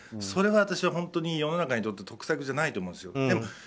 それは私は本当に世の中にとって得策じゃないと思うんです。